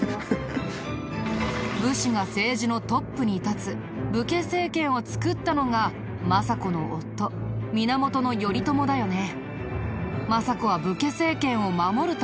武士が政治のトップに立つ武家政権を作ったのが政子の夫源頼朝だよね。